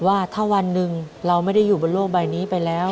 ว่าถ้าวันหนึ่งเราไม่ได้อยู่บนโลกใบนี้ไปแล้ว